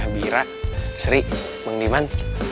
bira sri mengdiman